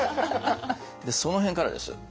その辺からです。